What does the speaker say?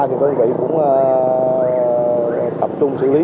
tân vị cũng tập trung xử lý